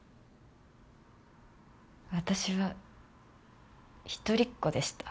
私は一人っ子でした。